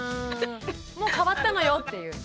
もう変わったのよっていう。